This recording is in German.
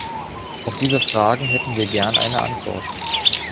Auf diese Fragen hätten wir gern eine Antwort.